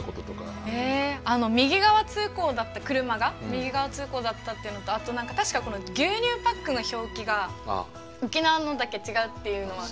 右側通行だったっていうのとあと確か牛乳パックの表記が沖縄のだけ違うっていうのは。